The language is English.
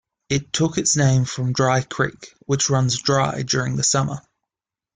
It took its name from Dry Creek, which runs dry during the summer.